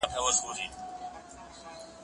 قلم وکاروه